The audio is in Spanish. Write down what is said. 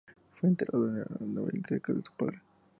Fue enterrado en Ardabil cerca de su padre.